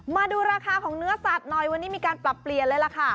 มาดูราคาของเนื้อสัตว์หน่อยวันนี้มีการปรับเปลี่ยนเลยล่ะค่ะ